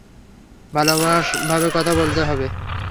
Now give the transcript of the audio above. ভালোভাবে কথা বলতে হবে।